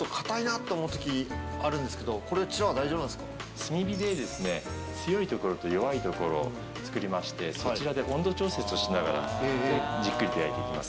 炭火で強いところと弱いところを作りましてそちらで温度調節しながらじっくりと焼いていきます。